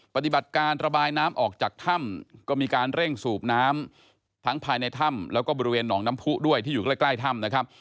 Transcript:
ปฏิบัติการระบายน้ำออกจากถ้ำก็มีการเร่งสูบน้ำทั้งภายในถ้ำแล้วก็บริเวณหนองน้ำผู้ด้วยที่อยู่ใกล้ใกล้ถ้ำนะครับ